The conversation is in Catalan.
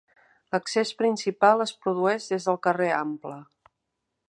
L'accés principal es produeix des del carrer Ample.